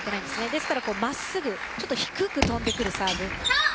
ですからまっすぐ低く飛んでくるサーブ。